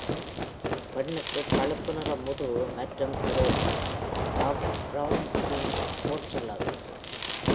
பெண்ணுக்கு பழுப்பு நிற முதுகு மற்றும் ஒரு பஃப்-பிரவுன் விங் பேட்ச் உள்ளது.